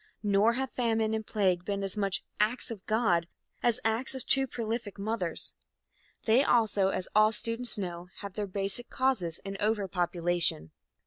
Nor have famine and plague been as much "acts of God" as acts of too prolific mothers. They, also, as all students know, have their basic causes in over population.